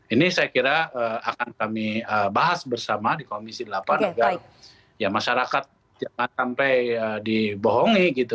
ini saya kira akan kami bahas bersama di komisi delapan agar ya masyarakat jangan sampai dibohongi gitu